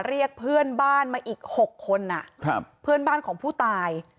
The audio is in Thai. เรียกเพื่อนบ้านมาอีก๖คนเพื่อนบ้านของผู้ตาย